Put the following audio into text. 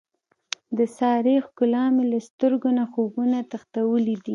د سارې ښکلا مې له سترګو نه خوبونه تښتولي دي.